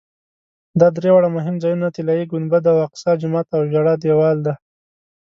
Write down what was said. دا درې واړه مهم ځایونه طلایي ګنبده او اقصی جومات او ژړا دیوال دي.